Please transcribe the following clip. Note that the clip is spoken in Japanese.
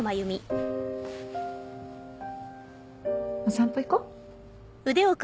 お散歩行こ。